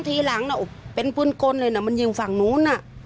แต่มันถือปืนมันถือปืนมันไม่รู้นะแต่ตอนหลังมันจะยิงอะไรหรือเปล่าเราก็ไม่รู้นะ